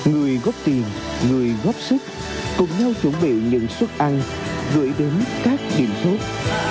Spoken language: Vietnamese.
người góp tiền người góp sức cùng nhau chuẩn bị những suất ăn gửi đến các điểm tốt